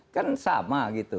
kan sama gitu